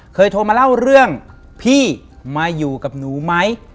เคยโทรมาเล่าเรื่องพี่มาอยู่กับหนูไหม